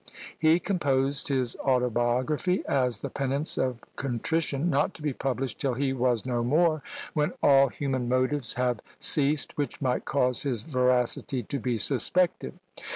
He composed his autobiography as the penance of contrition, not to be published till he was no more, when all human motives have ceased which might cause his veracity to be suspected.